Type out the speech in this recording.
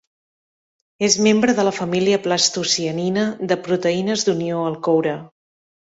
És membre de la família plastocianina de proteïnes d'unió al coure.